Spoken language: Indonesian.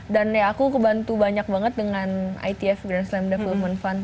dan ya aku kebantu banyak banget dengan itf grand slam development fund